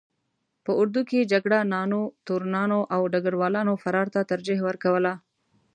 په اردو کې جګړه نانو، تورنانو او ډګر والانو فرار ته ترجیح ورکوله.